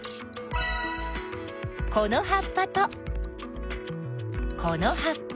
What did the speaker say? このはっぱとこのはっぱ。